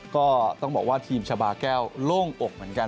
ก็ต้องบอกว่าทีมชาบาแก้วโล่งอกเหมือนกัน